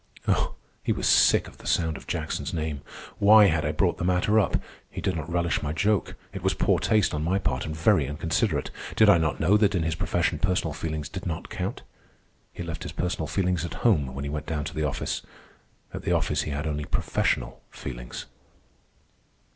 Oh, he was sick of the sound of Jackson's name. Why had I brought the matter up? He did not relish my joke. It was poor taste on my part, and very inconsiderate. Did I not know that in his profession personal feelings did not count? He left his personal feelings at home when he went down to the office. At the office he had only professional feelings.